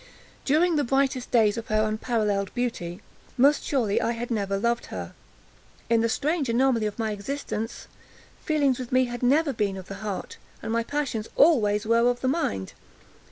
During the brightest days of her unparalleled beauty, most surely I had never loved her. In the strange anomaly of my existence, feelings with me, had never been of the heart, and my passions always were of the mind.